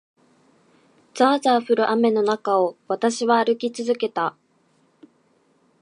ざあざあ降る雨の中を、私は歩き続けた。